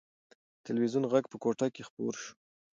د تلویزون غږ په کوټه کې خپور و.